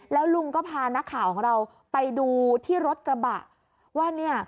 แล้วลุงก็พานักข่าวของเราไปดูที่รถกระบะว่าเนี่ย